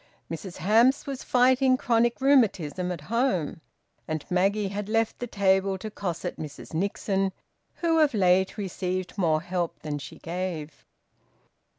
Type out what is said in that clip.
Mrs Hamps was fighting chronic rheumatism at home. And Maggie had left the table to cosset Mrs Nixon, who of late received more help than she gave.